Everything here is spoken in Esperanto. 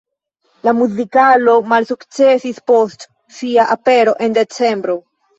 La muzikalo malsukcesis post sia apero en decembro.